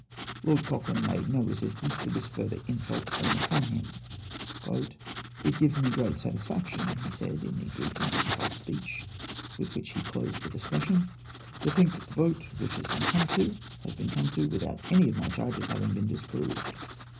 Lord Cochrane made no resistance to this further insult thrown upon him. "It gives me great satisfaction," he said, in the brief and dignified speech with which he closed the discussion, "to think that the vote which has been come to has been come to without any of my charges having been disproved.